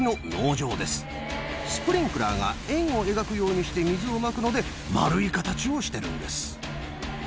スプリンクラーが円を描くようにして水をまくので丸い形をしてるんです。